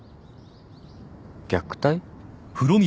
虐待？